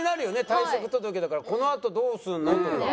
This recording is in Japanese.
退職届だから「このあとどうするの？」とか。